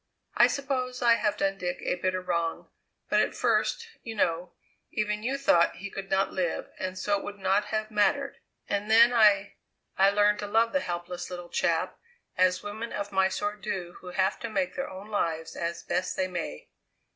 "I suppose I have done Dick a bitter wrong, but at first, you know, even you thought he could not live and so it would not have mattered, and then I I learned to love the helpless little chap as women of my sort do who have to make their own lives as best they may.